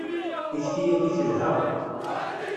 Tikti-yagi telha.